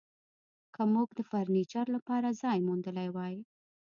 که موږ د فرنیچر لپاره ځای موندلی وای